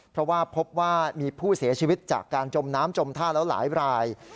เพราะว่าพบว่ามีผู้เสียชีวิตจากการจมน้ำจมท่าแล้วหลายราย